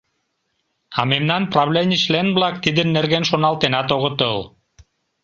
А мемнан правлений член-влак тидын нерген шоналтенат огытыл.